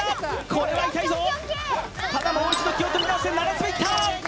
これは痛いぞただもう一度気を取り直して７つ目いった！